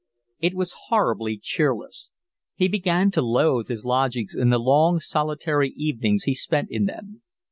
It was horribly cheerless. He began to loathe his lodgings and the long solitary evenings he spent in them.